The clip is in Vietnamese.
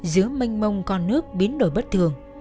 giữa mênh mông con nước biến đổi bất thường